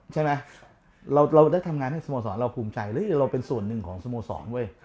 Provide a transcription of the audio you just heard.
ใช่ไหมเราได้ทำงานให้สโมสรเราภูมิใจเราเป็นส่วนหนึ่งของสโมสรเว้ย